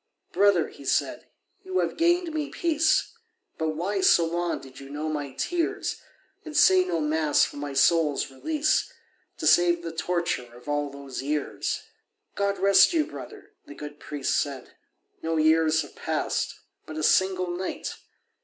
"Brother," he said, "you have gained me peace, But why so long did you know my tears, And say no Mass for my soul's release, To save the torture of all those years?" "God rest you, brother," the good priest said, "No years have passed—but a single night."